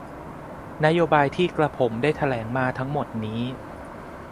นโยบายที่กระผมได้แถลงมาทั้งหมดนี้